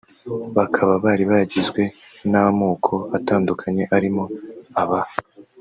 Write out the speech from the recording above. bakaba bari bagizwe n’amoko atandukanye arimo Abaha